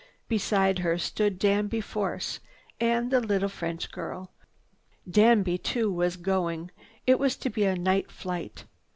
Beside her stood Danby Force and the little French girl. Danby too was going. It was to be a night flight.